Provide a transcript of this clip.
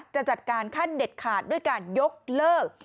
จะจัดการขั้นเด็ดขาดด้วยการยกเลิก